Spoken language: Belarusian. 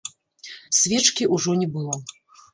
Свечкі ўжо не было.